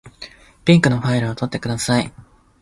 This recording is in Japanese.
ピンクのファイルを取ってください。